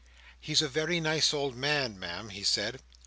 "He's a very nice old man, Ma'am," he said.